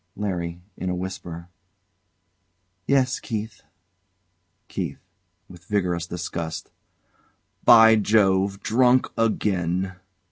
LARRY. [In a whisper] Yes, Keith. KEITH. [With vigorous disgust] By Jove! Drunk again!